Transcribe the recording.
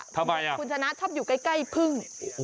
ทำไมคุณชนะชอบอยู่ใกล้พึ่ง